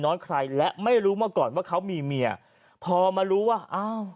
ใครและไม่รู้มาก่อนว่าเขามีเมียพอมารู้ว่าอ้าว